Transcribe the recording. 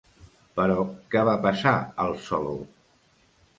Però què va passar al saló?